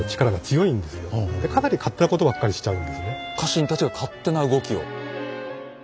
家臣たちが勝手な動きを。